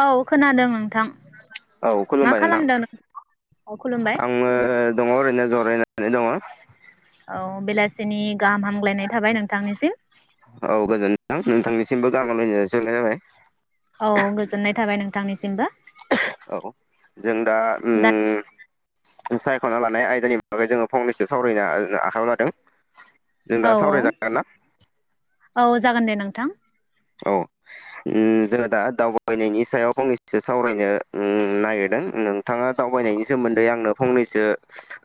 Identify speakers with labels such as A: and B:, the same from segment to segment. A: औ खोनादों
B: औ
A: मा
B: खुलुमबाय नोंथां
A: खालामदों नोंथां खुलुमबाय
B: आङो दङ ओरैनो जरायना ओरैनो दङ
A: औ बेलासिनि गाहाम हामग्लायनाय थाबाय नोंथांनिसिम
B: औ गोजोनथों नोंथांनिसिमबो गाहाम हामलायनाय जासि हरनाय जाबाय
A: औ गोजोननाय थाबाय नोंथांनिसिमबो
B: औ जों दा
A: दा
B: उम सायखना लानाय आइ दानि बागै जोङो फंनैसो सावरायनो आ-आ-आखायाव लादों जों दा
A: औ औ
B: सावरायजागोन ना
A: औ जागोन दे नोंथां
B: औ उम जोङो दा दावबायनायनि सायाव फंनैसो सावरायनो उम नागिरदों नोंथाङा दावबायनायनि सोमोन्दै आंनो फंनैसो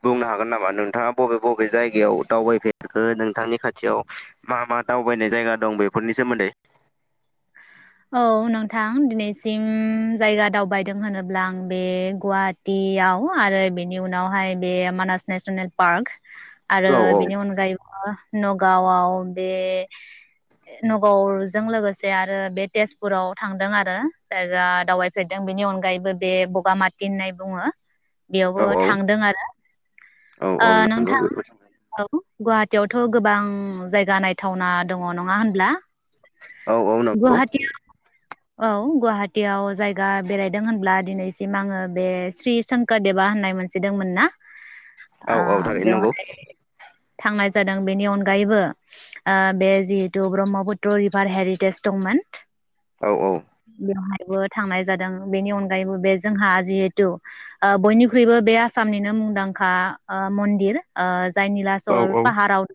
B: बुंनो हागोन नामा नोंथाङा बबे बबे जायगायाव दावबायफेरखो नोंथांनि खाथियाव मा मा दावबायनाय जायगा दं बेफोरनि सोमोन्दै
A: औ नोंथां दिनैसिम जायगा दावबायदों होनोब्ला आं बे गुवाहाटियाव आरो बेनि उनावहाय बे मानास नेसनेल पार्क आरो
B: औ औ
A: बेनि अनगायैबो नगावआव बे नगावजों लोगोसे आरो बे तेजपुराव थांदों आरो जायगा दावबायफेरदों बेनि अनगायैबो बे बगामाथि होननाय बुङो
B: औ
A: बेयावबो
B: औ
A: थांदों आरो
B: औ
A: ओ
B: नंगौ
A: नोंथां औ गुवाहाटियावथ‌ गोबां जायगा नायथावना दङ नङा होनब्ला?
B: औ औ नंगौ
A: गुवाहाटि औ गुवाहाटीयाव जायगा बेरायदों होनब्ला दिनैसिम आङो बे श्री संकोरदेबा होननाय मोनसे दंमोन ना।
B: औ
A: ओ
B: औ थारैनो नोंगौ।
A: बेवहाय थांनाय जादों बेनि अनगायैबो ओ बे जिहेतु ब्रह्मपुत्र रिभार हेरिट टेस दंमोन
B: औ औ।
A: बो थांनाय जादों बेनि अनगायैबो बे जोंहा जिहेथु ओ बयनिख्रुइबो बे आसामनिनो मुंदांखा ओ मन्दिर ओ जाय निला
B: औ
A: सल
B: औ
A: पाहाराव ओ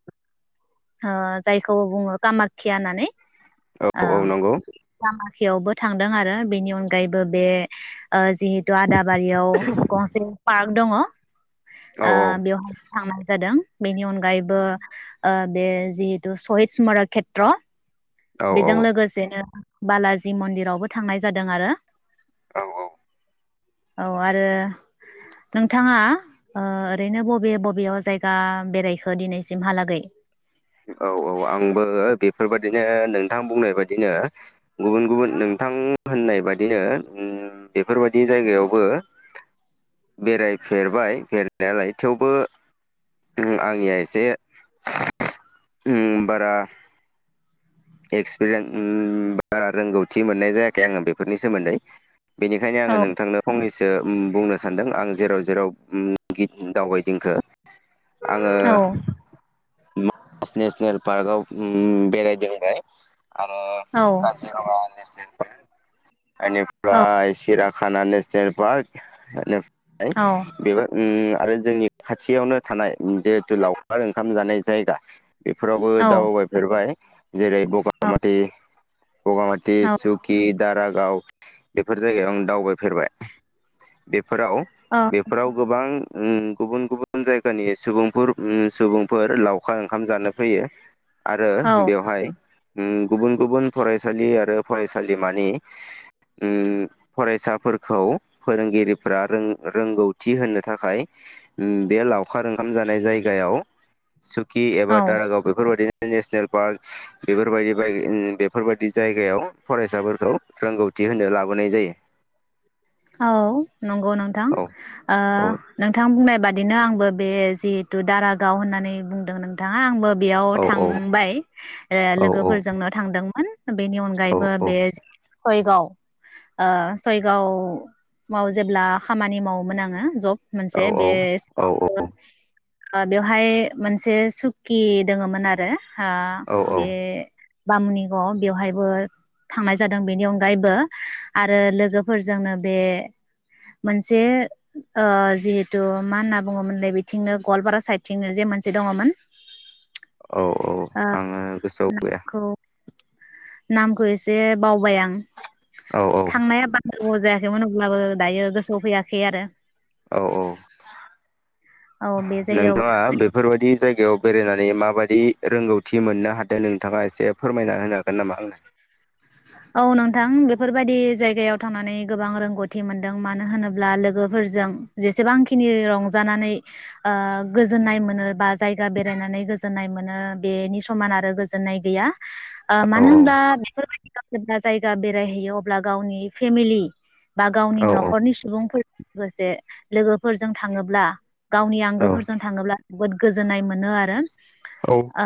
A: जायखौ बुङो कामाखिया होननानै।
B: औ औ नंगौ
A: औ। बेयावबो थांदों आरो बेनि अनगायैबो बे ओ जिहेतु आदाबारियाव गंसे पार्क दङ
B: औ
A: ओ [unintelligible] थांनाय जादों बेनि अनगायैबो ओ बे जिहेतु सहिद मरा खेत्र।
B: औ
A: बेजों लोगोसेनो बालाजि मन्दिरावबो थांनाय जादों आरो।
B: औ औ।
A: औ आरो नोंथाङा ओ ओरैनो बबे बबेयाव जायगा बेरायखो दिनैसिमहालागै?
B: औ औ आंबो बेफोरबायदिनो नोंथां बुंनाय बायदिनो गुबुन गुबुन नोंथां होननाय बादिनो बेफोरबायदि जायगायावबो बेरायफेरबाय फेरनायालाय थेवबो आंनिया एसे उ बारा एक्सपिरियेन्स बारा रोंगौथि मोननाय जायाखै आङो बेफोरनि सोमोन्दै। बेनिखायनो
A: औ
B: आङो नोंथांनो फंनैसो ओ बुंनो सानदों आं जेराव जेरावखि दावबायदिंखो आङो
A: औ
B: [unintelligible] नेसनेल पार्कआव उम बेरायदोंबाय। आरो
A: औ
B: काजिरङा नेसनेल
A: औ
B: एनिफ्राय सिरां खाना नेसनेल पार्क [inaudible] बेबो उम आरो जोंनि खाथियावनो थानाय जिहेथु लावखार ओंखाम जानाय जायगा बेफोरावबो
A: औ
B: दावबायफेरबाय। जेरै बगामाथि बगामाथि
A: औ
B: सुकि। दारागाव बेफोर जायगायाव आं दावबायफेरबाय। बेफोराव
A: औ
B: बेफोराव गोबां गुबुन गुबुन जायगानि सुबुंफोर उम सुबुंफोर लाव अखा ओंखाम जानो फैयो। आरो
A: औ
B: बेवहाय गुबुन गुबुन फरायसालि आरो फरायसालिमानि फरायसाफोरखौ फोरोंगिरिफोरा रोंगौथि होनो थाखाय बे लावखार ओंखाम जानाय जायगायाव सु कि एबा
A: औ
B: दारागाव बेफोरबायदि नेसनेल पार्क बेफोरबादि बेफोरबायदि जायगायाव फरायसाफोरखौ रोंगौथि होनो लाबोनाय जायो।
A: औ नंगौ नोंथां
B: औ
A: ओ
B: औ
A: नोंथां बुंनाय बादि बिदिनो आंबो बे जिहेतु दारागाव होननानै बुंदों नोंथाङा आंबो बेयाव
B: औ औ
A: थांबाय ओ
B: औ औ
A: लोगोफोरजोंनो थांदोंमोन। बेनि
B: औ
A: अनगायैबो बे [unintelligible] आ सयगाव माव जेब्ला खामानि मावोमोन आङो जब
B: औ
A: मोनसे बे
B: औ
A: बेवहाय मोनसे सुकि दोङोमोन आरो हा
B: औ
A: बे बामुनिगाव बेवहायबो थांनाय जादों बेनि अनगायैबो आरो लोगोफोरजोंनो बे मोनसे ओ जिहेथु मा होनना बुङोमोनलाय बिथिंनो गवालपारा साइदथिंनो जे मोनसे दङमोन।
B: औ औ
A: ओ
B: आङो गोसोआव गैया
A: नामखौ नामखौ एसे बावबाय आं
B: औ औ
A: थांनाया बां जाया मोन अब्लाबो दायो गोसोआव फैयाखै आरो।
B: औ औ
A: औ बे जायगायाव
B: नोंथाङा बेफोरबायदि जायगायाव बेरायनानै माबायदि रोंगौथि मोननो हादों नोंथाङा एसे फोरमायना होनो हागोन नामा आंनो।
A: औ नोंथां बेफोरबायदि जायगायाव थांनानै गोबां रोंगौथि मोनदों मानो होनोब्ला लोगोफोरजों जेसेबांखिनि रंजानानै ओ गोजोननाय मोनो बा जायगा बेरायनानै गोजोननाय मोनो बेनि समान आरो गोजोननाय गैया। आ
B: औ
A: मानो होनब्ला बे जेब्ला जायगा बेरायहैयो अब्ला गावनि फेमिलि, बा गावनि
B: औ
A: न'खरनि सुबुंफोर लोगोसे लोगोफोरजों थाङोब्ला गावनि
B: औ
A: आंगोफोरजों थाङोब्ला जोबोद गोजोननाय मोनो आरो।
B: औ
A: आ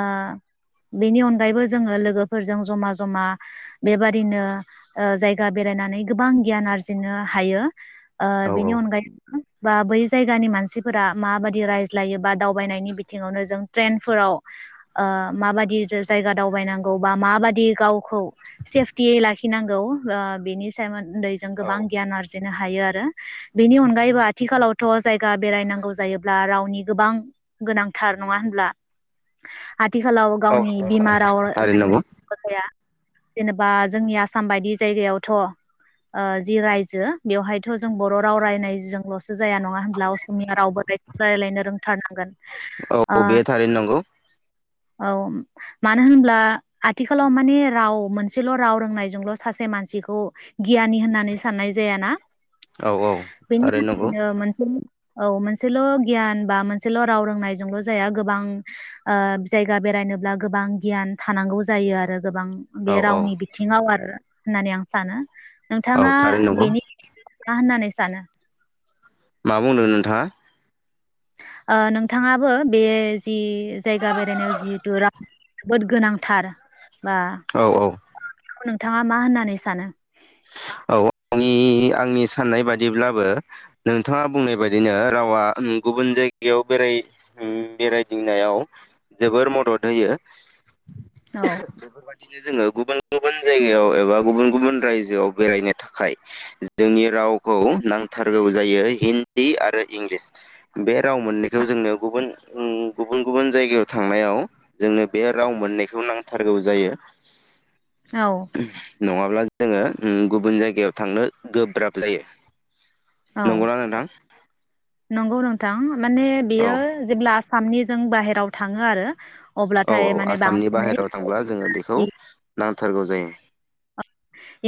A: बेनि अनगायैबो जोङो लोगोफोरजों जमा जमा बेबादिनो ओ जायगा बेरायनानै गोबां गियान आरजिनो हायो। ओ बेनि
B: औ
A: अनगायै बा बै जायगानि मानसिफोरा माबादि रायज्लायो बा दावबायनायनि बिथिङावनो जों ट्रेनफोराव ओ माबाददि जायगा दावबायनांगौ बा माबादि गावखौ सेफटियै लाखिनांगौ ओ बेनि सोमोन्दै जों
B: औ
A: गोबां गियान आरजिनो हायो आरो बेनि अनगायैबो आथिखालावथ जायगा बेरायनांगौ जायोब्ला रावनि गोबां गोनांथार नङा होनब्ला आथिखालाव गावनि बिमा
B: औ
A: राव
B: औ नंगौ थारैनो नंगौ
A: [unintelligible] जेनेबा जोंनि आसाम बायदि जायगायावथ ओ जि रायजो बेवहायथ जों बर राव रायनायजोंलसो जाया नङा होनब्ला असमिया रावबो रायलायनो रोंथारनांगोन ओ
B: औ बे थारैनो नंगौ।
A: औ मानो होनब्ला आथिखालाव माने राव मोनसेल राव रोंनायजोंल सासे मानसिखौ गियानि होननानै साननाय जायाना?
B: औ औ
A: बेनि
B: थारैनो नंगौ
A: थाखायनो मोन औ मोनसेल गियान बा मोनसेल राव रोंनायजोंल जाया गोबां ओ जायगा बेरायनोब्ला गोबां गियान थानांगौ जायो आरो गोबां। बे
B: औ औ
A: रावनि बिथिङाव आरो होननानै आं सानो।
B: औ
A: नोंथाङा
B: थारैनो नंगौ
A: बेनि मा होननानै सो साना
B: मा बुंदों नोंथाङा?
A: नोंथाङाबो बे जि जायगा बेरायनायाव जिहेथु रां जोबोद गोनांथार बा
B: औ औ
A: [unintelligible] थाङा मा होननानै सानो?
B: औ आनि आंनि साननाय बादिब्लाबो नोंथाङा बुंनाय बादिनो रावा गुबुन जायगायाव बेराय बेरायदिंनायाव जोबोर मदद होयो।
A: औ
B: बेफोर बायदि ए जोङो गुबुन गुबुन जायगायाव एबा गुबुन गुबुन रायजो जौ बेरायनो थाखाय जोंनि रावखौ नांथारगौ जायो हिन्दी आरो इंलिस बे राव मोननैखौ जोंनो गुबुन उम गुबुन गुबुन जायगायाव थांनायाव जोंनो बे राव मोननैखौ नांथारगौ जायो।
A: औ
B: नङाब्ला दोङो उम गुबुन जायगायाव थांनो गोब्राब जायो।
A: औ
B: नंगौना नोंथां?
A: नंगौ नोंथां। माने
B: औ
A: बियो जेब्ला आमनि जों बाहेराव थाङो आरो
B: औ
A: अब्लाथाय
B: औ
A: माने
B: आसामनि
A: बांसिनै
B: बाहेरायाव थांब्ला जोङो बेखौ ना थारगौ जायो।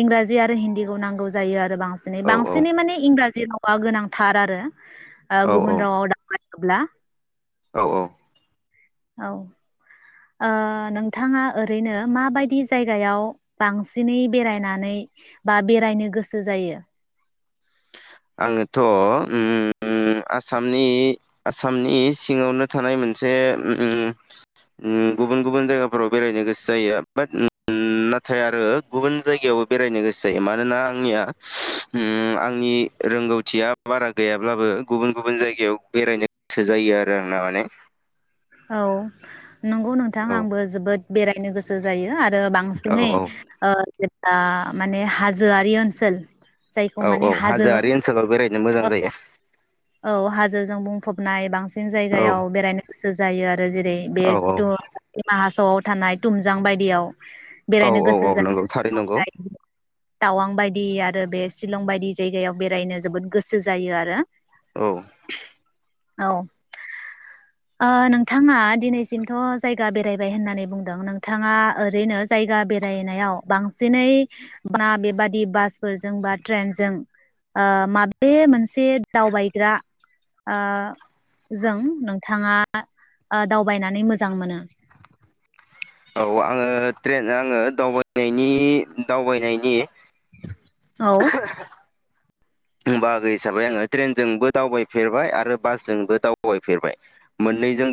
A: इंराजि आरो हिन्दीखौ नांगौ जायो आरो बे बांसिनै
B: औ औ
A: बांसिनै माने इंराजि रा बा गोनांथार आरो। ओ
B: औ
A: गुबुन
B: औ
A: रावाव दा [unintelligible] थब्ला।
B: औ औ।
A: औ ओ नोंथाङा ओरैनो माबायदि जायगायाव बांसिनै बेरायनानै बा बेरायनो गोसो जायो।
B: आङोथ उम आसामनि आसामनि सिङावनो थानाय मोनसे उम उम गुबुन गुबुन जायगाफोराव बेरायनो गोसो जायो बाट उम नाथाय आरो गुबुन जायगायावबो बेरायनो गोसो जायो मानोना आंनिया उम आंनि। रोंगौथिया बारा गैयाब्लाबो गुबुन गुबुन जायगायाव बेरायनो थोजायो आरो आंना माने।
A: औ। नंगौ नोंथां
B: औ
A: आंबो जोबोद बेरायनो गोसो जायो आरो
B: औ
A: बांसिनै ओ जा माने हाजोआरि ओनसोल जायखौ
B: औ औ
A: माने हाजो
B: हाजोआरि ओनसोलाव बेरायनो मोजां
A: ओ
B: जायो
A: औ हाजोजों बुंफबनाय बांसिन बांसिन
B: औ
A: जायगायाव बेरायनो गोसो जायो आरो जेरै बे
B: औ औ
A: द मासावआव थानाय थुमजां बायदियाव
B: औ
A: बेरायनो
B: औ औ नंगौ थारै नंगौ
A: थावां बाय बायदि आरो बे सिलं बायदि जायगायाव बेरायनो जोबोद गोसो जायो आरो
B: औ
A: औ नोंथाङा दिनैसिमथ जायगा बेरायबाय होननानै बुंदों नोंथाङा ओरैनो जायगा बेरायनायाव बांसिनै बा बेबादि बास फोरजों बा ट्रेनजों ओ माबे मोनसे दावबाय ग्रा ओ जों नोंथाङा दावबायनानै मोजां मोनो
B: औ आङो ट्रेन आङो दावबायनायनि दावबायनायनि
A: औ
B: बाहागो हिसाबै आङो ट्रेनजोंबो दावबायफेरबाय आरो बासजोंबो दावबायफेरबाय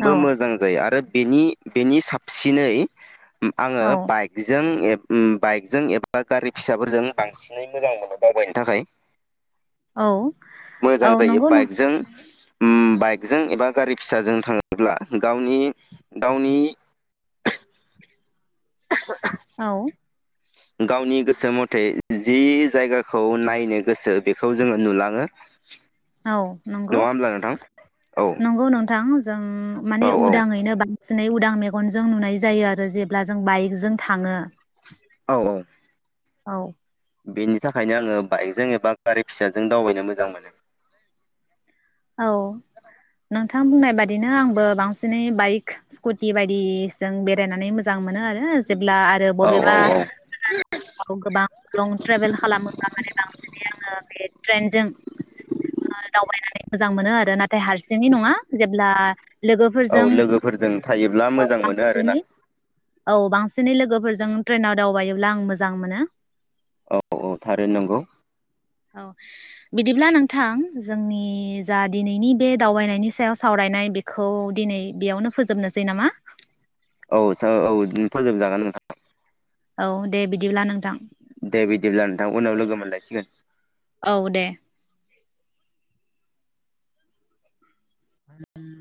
A: औ
B: मोजां जायो आरो बेनि बेनि साबसिनै आङो
A: औ
B: बाइकजों ओम बाइकजों एबा गारि फिसाफोरजों बांसिनै मोजां मोनो दावबायनो थाखाय
A: औ औ नंगौ ना
B: ओम बाइकजों एबा गारि फिसाजों थाङोब्ला गावनि गावनि [inaudible]
A: औ
B: गावनि गोसो मथे जि जायगाखौ नायनो गोसो बेखौ जोङो नुलाङो
A: औ
B: नङा
A: नंगौ
B: होमब्ला नोंथां औ
A: नंगौ नोंथां जों माने
B: औ
A: उदाङैनो बां सिनै उदां मेगन जों नुनाय जायो आरो जेब्ला जों बाइक जों थाङो।
B: औ औ
A: औ
B: बेनि थाखायनो आङो बाइकजों एबा गारि फिसाजों दावबायनो मोजां मोनो।
A: औ नोंथां बुंनाय बादिनो आंबो बां सिनै बाइक सिखुथि बादिजों बेरायनानै मोजां मोन मोनो आरो जेब्ला आरो
B: औ औ
A: बबेबा
B: औ
A: गोजान [unintelligible] गोबां लं ट्रेभेल खालामोब्ला माने बांसिनै आङो बे ट्रेनजों ओ दावबायनानै मोजां मोनो आरो नाथाय हारसिङै नङा जेब्ला
B: औ
A: लोगोफोरजों
B: लोगोफोरजों थायोब्ला
A: औ
B: मोजां मोनो आरो ना?
A: बांसिनै औ बांसिनै लोगोफोरजों ट्रेनआव दावबायोब्ला आं मोजां मोनो।
B: औ औ थारैनो नंगौ।
A: औ बिदिब्ला नोंथां जोंनि जा दिनैनि बे दावबायनायनि सायाव सावरायनाय बेखौ दिनै बेयावनो फोजोबनोसै नामा?
B: औ सा औ इदिनो फोजोब जागोन नोंथां।
A: औ दे बिदिब्ला नों
B: दे बिदिब्ला नोंथां उनाव लोगो मोनलायसिगोन।
A: औ दे